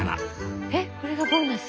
えっこれがボーナス？